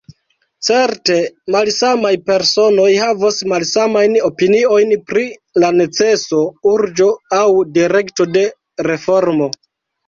Certe malsamaj personoj havos malsamajn opiniojn pri la neceso, urĝo aŭ direkto de reformo.